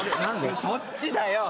そっちだよ！